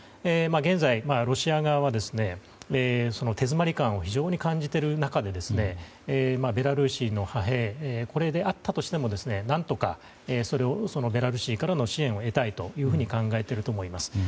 現在、ロシア側は手詰まり感を非常に感じている中でベラルーシの派兵これであったとしても何とかベラルーシからの支援を得たいと考えていると思います。